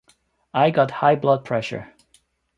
I got high blood pressure.